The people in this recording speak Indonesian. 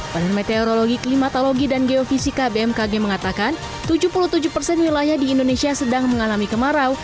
badan meteorologi klimatologi dan geofisika bmkg mengatakan tujuh puluh tujuh persen wilayah di indonesia sedang mengalami kemarau